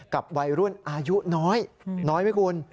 กับวัยรุ่นอายุน้อยน้อยไหมคุณ